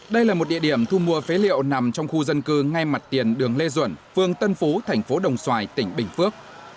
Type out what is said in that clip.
đây là một địa điểm thu mua phế liệu nằm trong khu dân cư ngay mặt tiền đường lê duẩn phương tân phú thành phố đồng xoài tỉnh bình phước